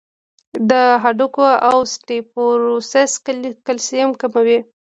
د هډوکو اوسټيوپوروسس کلسیم کموي.